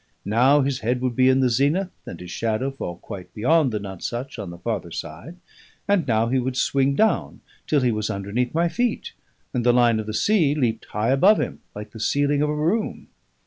Now his head would be in the zenith and his shadow fall quite beyond the Nonesuch on the farther side; and now he would swing down till he was underneath my feet, and the line of the sea leaped high above him like the ceiling of a room.